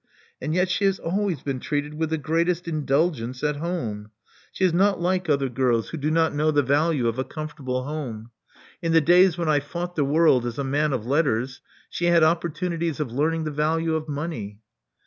And yet she has always been treated with the greatest indulgence at home. She is not like other girls who Love Among the Artists 137 do not know the value of a comfortable home. In the days when I fought the world as a man of letters, she had opportunities of learning the value of money."